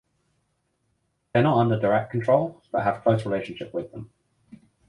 They are not under direct control but have close relationship with them.